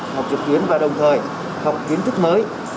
học trực tuyến và đồng thời học kiến thức mới